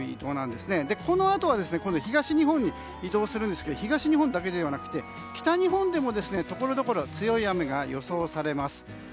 このあとは東日本に移動するんですけど東日本だけではなくて北日本でもところどころ強い雨が予想されます。